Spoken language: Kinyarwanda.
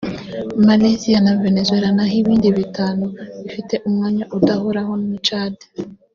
Malaysia na Venezuela naho ibindi bitanu bfite umwanya udahoraho ni Chad